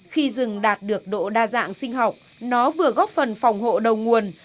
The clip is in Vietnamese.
khi rừng đạt được độ đa dạng sinh học nó vừa góp phần phòng hộ đầu nguồn